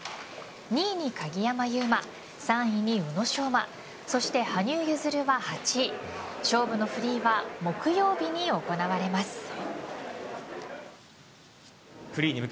２位に鍵山優真３位に宇野昌磨そして羽生結弦は８位勝負のフリーは木曜日に行われます。